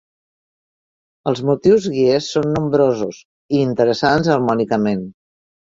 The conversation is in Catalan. Els motius guies són nombrosos, i interessants harmònicament.